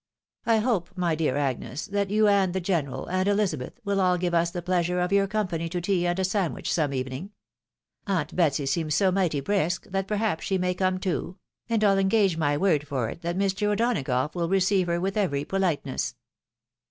I hope, my dear Agnes, that you, and the general, and Ehzabeth, will all give us the pleasure of your company to tea and a sandwich some evening. Aunt Betsy seems so mighty brisk, that perhaps she may come too ; and Pll engage my word for it that Mr. O'Donagough will receive her with every pohteness."